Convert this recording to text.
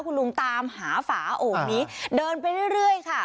คุณลุงตามหาฝาโอ่งนี้เดินไปเรื่อยค่ะ